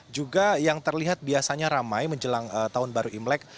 juga yang terlihat biasanya ramai menjelang tahun baru imlek